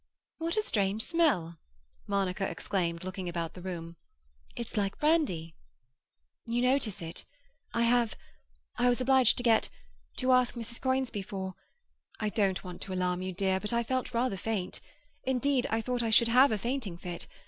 "What a strange smell!" Monica exclaimed, looking about the room. "It's like brandy." "You notice it? I have—I was obliged to get—to ask Mrs. Conisbee for—I don't want to alarm you, dear, but I felt rather faint. Indeed, I thought I should have a fainting fit.